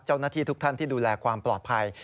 เจ้าหน้าที่ทุกท่านที่ดูแลความปลอดภัย